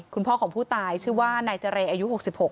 คุณพ่อของผู้ตายชื่อว่านายเจรอายุ๖๖